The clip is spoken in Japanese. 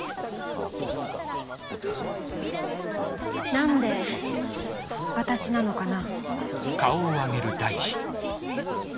なんで私なのかな？